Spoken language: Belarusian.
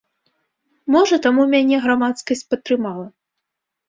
Можа, таму мяне грамадскасць падтрымала.